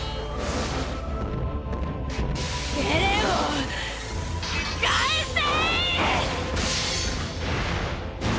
エレンを返せ！！